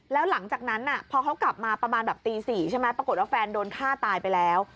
แล้วหลังจากนั้นพอเขากลับมาประมาณแบบตี๔ใช่ไหมปรากฏว่าแฟนโดนฆ่าตายไปแล้ว